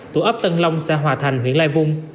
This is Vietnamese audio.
tù ấp tân long xã hòa thành huyện lai vung